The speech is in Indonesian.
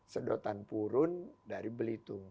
sedotan purun dari belitung